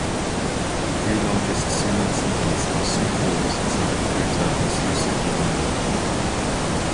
The two largest Siouxland cities are Sioux Falls, South Dakota, and Sioux City, Iowa.